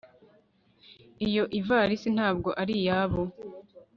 iyo ivarisi ntabwo ari iyabo